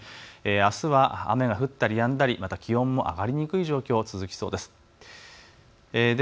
あすは雨が降ったりやんだり、また気温も上がりにくい状況、続きそうです。